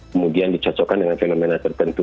kemudian dicocokkan dengan fenomena tertentu